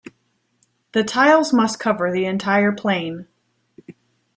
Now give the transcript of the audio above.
The tiles must cover the entire plane.